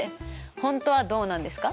本当はどうなんですか？